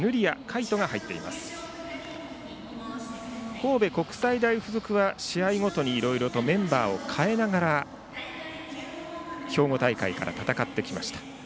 神戸国際大付属は試合ごとにいろいろとメンバーを変えながら兵庫大会から戦ってきました。